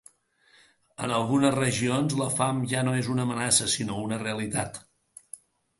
En algunes regions, la fam ja no és una amenaça sinó una realitat.